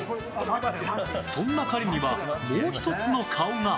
そんな彼には、もう１つの顔が。